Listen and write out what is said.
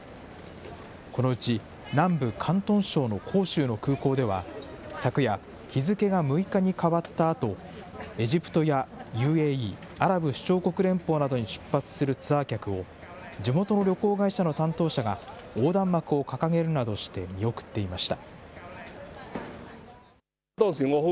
このうち、南部、広東省の広州の空港では、昨夜、日付けが６日に変わったあと、エジプトやＵＡＥ・アラブ首長国連邦などに出発するツアー客を、地元の旅行会社の担当者が、横断幕を掲げるなどして見送っていました。